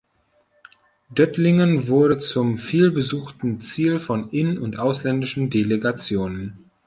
Dötlingen wurde zum viel besuchten Ziel von in- und ausländischen Delegationen.